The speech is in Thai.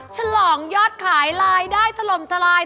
ฉลองยอดขายรายได้ถล่มทลาย